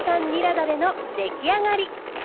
だれの出来上がり。